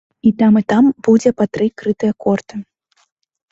І там, і там будзе па тры крытыя корты.